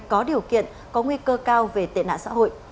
có điều kiện có nguy cơ cao về tệ nạn xã hội